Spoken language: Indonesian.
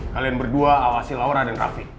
kalian berdua awasi laura dan rafi